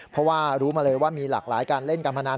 เพราะว่ารู้มาเลยว่ามีหลากหลายการเล่นการพนัน